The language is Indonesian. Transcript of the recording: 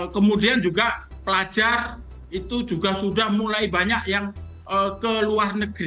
kemudian juga pelajar itu juga sudah mulai banyak yang ke luar negeri